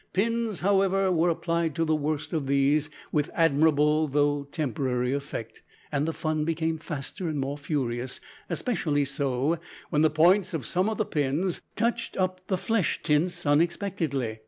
Pins, however, were applied to the worst of these with admirable though temporary effect, and the fun became faster and more furious, especially so when the points of some of the pins touched up the flesh tints unexpectedly.